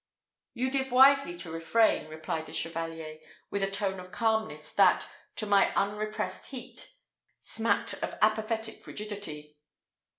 "You did wisely to refrain," replied the chevalier, with a tone of calmness that, to my unrepressed heat, smacked of apathetic frigidity.